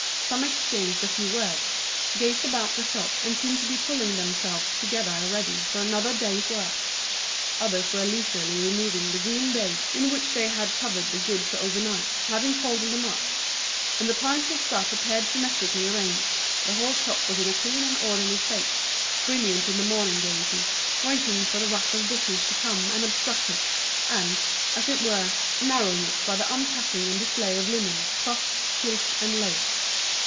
Some exchanged a few words, gazed about the shop and seemed to be pulling themselves together ready for another day's work; others were leisurely removing the green baize with which they had covered the goods over night, after having folded them up; and the piles of stuffs appeared symmetrically arranged, the whole shop was in a clean and orderly state, brilliant in the morning gaiety, waiting for the rush of business to come and obstruct it, and, as it were, narrow it by the unpacking and display of linen, cloth, silk, and lace.